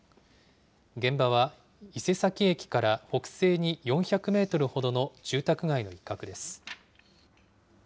現場は伊勢崎駅から北西に４００メートルほどの住宅街の一角です。